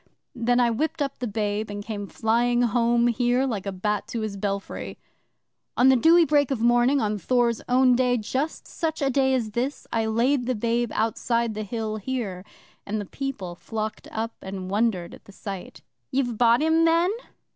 Then I whipped up the babe, and came flying home here like a bat to his belfry. 'On the dewy break of morning of Thor's own day just such a day as this I laid the babe outside the Hill here, and the People flocked up and wondered at the sight. '"You've brought him, then?"